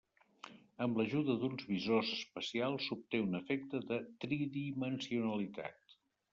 Amb l'ajuda d'uns visors especials s'obté un efecte de tridimensionalitat.